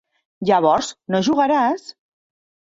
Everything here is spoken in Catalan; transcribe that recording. Llavors no jugaràs?